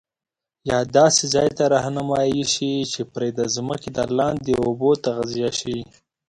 یا داسي ځاي ته رهنمایی شي چي پري د ځمکي دلاندي اوبه تغذیه شي